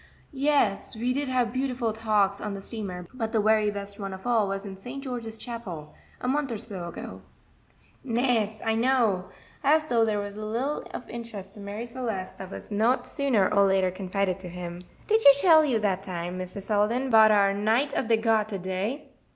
"Yes, we did have beautiful talks on the steamer, but the very best one of all was in St. George's Chapel, a month or so ago." "Nes, I know," as though there was little of interest to Marie Celeste that was not sooner or later confided to him. "Did she tell you dat time, Mr. Selden, 'bout our Knight of de Garter day?"